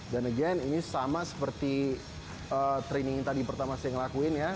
dan again ini sama seperti training yang tadi pertama saya ngelakuin ya